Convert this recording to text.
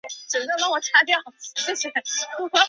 也不必说鸣蝉在树叶里长吟，肥胖的黄蜂伏在菜花上